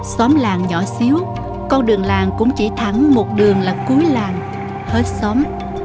xóm làng nhỏ xíu con đường làng cũng chỉ thẳng một đường là cuối làng hết xóm